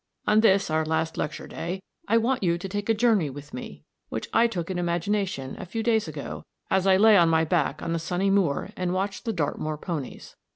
On this our last lecture day I want you to take a journey with me which I took in imagination a few days ago, as I lay on my back on the sunny moor and watched the Dartmoor ponies.